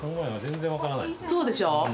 そうでしょ？